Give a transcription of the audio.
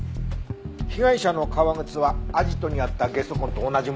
被害者の革靴はアジトにあったゲソ痕と同じものだった。